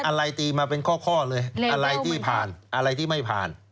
อ๋อหลายตีมาเป็นข้ออะไรที่ผ่าน